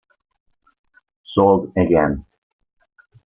Sold Again